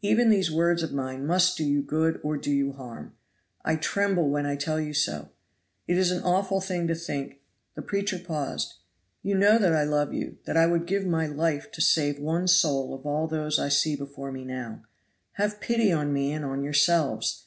Even these words of mine must do you good or do you harm. I tremble when I tell you so. It is an awful thing to think." The preacher paused. "You know that I love you that I would give my life to save one soul of all those I see before me now! Have pity on me and on yourselves!